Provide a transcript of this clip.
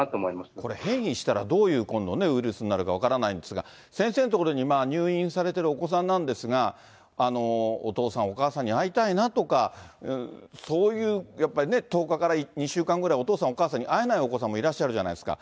これ、変異したらどういう今度、ウイルスになるか分からないんですが、先生のところに入院されてるお子さんなんですが、お父さん、お母さんに会いたいなとか、そういうやっぱりね、１０日から２週間ぐらい、お父さん、お母さんに会えないお子さんもいらっしゃるじゃないですか。